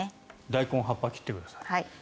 ダイコンは葉っぱを切ってください。